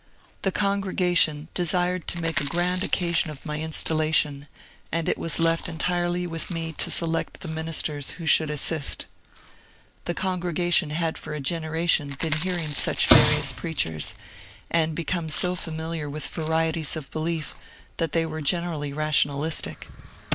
The congregation desired to make a grand occasion of my installation, and it was left entirely with me to select the min isters who should assist. ^ The congregation had for a generation been hearing such various preachers, and become so familiar with varieties of belief, that they were generally rationalistic.